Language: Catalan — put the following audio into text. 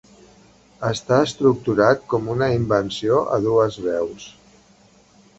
Està estructurat com una invenció a dues veus.